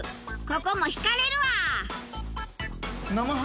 ここも引かれるわ！